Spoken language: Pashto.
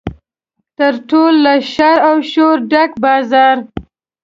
تر ټولو له شر او شوره ډک بازار.